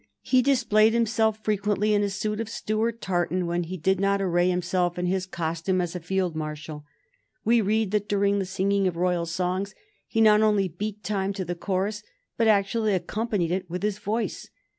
He displayed himself frequently in a suit of Stuart tartan when he did not array himself in his costume as a field marshal. We read that during the singing of royal songs he not only beat time to the chorus, but actually accompanied it with his voice.